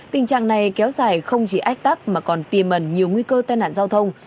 tình trạng này kéo dài không chỉ ách tắc mà còn tiềm ẩn nhiều nguy cơ tai nạn giao thông